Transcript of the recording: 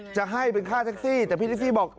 จะให้เป็นค่าแท็กซี่แต่พี่ลิซี่บอก